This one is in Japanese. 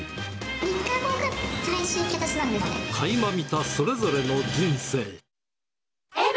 ３日後が最終引き渡しなんでかいま見たそれぞれの人生。